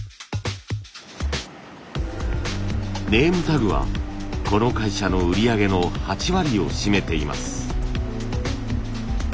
ネームタグはこの会社の売り上げの８割を占めています。